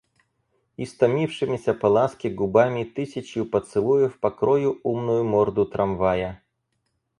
Истомившимися по ласке губами тысячью поцелуев покрою умную морду трамвая.